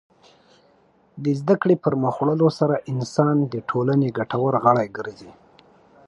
د زدهکړې پرمخ وړلو سره انسان د ټولنې ګټور غړی ګرځي.